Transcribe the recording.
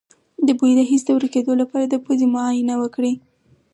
د بوی د حس د ورکیدو لپاره د پوزې معاینه وکړئ